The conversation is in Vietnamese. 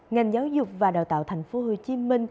ngành giáo dục và đào tạo tp hcm